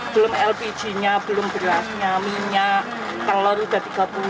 belum lpg nya belum berasnya minyak telur sudah tiga puluh